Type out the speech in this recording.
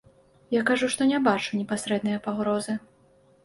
Я кажу, што не бачу непасрэднай пагрозы.